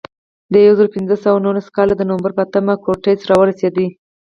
د یو زرو پینځه سوه نولس کال د نومبر په اتمه کورټز راورسېد.